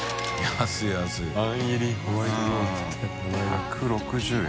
１６０円。